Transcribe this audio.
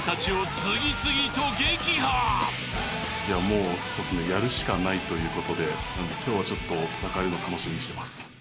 もうそうっすねやるしかないということで今日はちょっと戦えるの楽しみにしてます